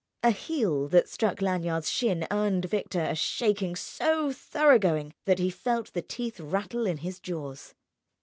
A heel that struck Lanyard's shin earned Victor a shaking so thoroughgoing that he felt the teeth rattle in his jaws.